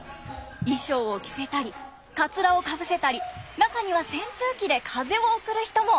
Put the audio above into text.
衣裳を着せたりかつらをかぶせたり中には扇風機で風を送る人も！